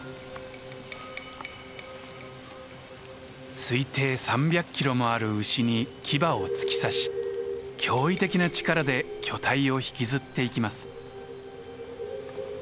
推定３００キロもある牛に牙を突き刺し驚異的な力で巨体を引きずっていきます。